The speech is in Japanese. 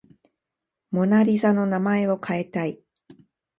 モナ・リザの名前を変えたい